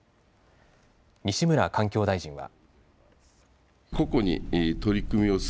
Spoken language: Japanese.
西村環境大臣は。